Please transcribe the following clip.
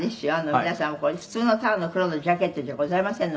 皆さんこれ普通のただの黒のジャケットじゃございませんの」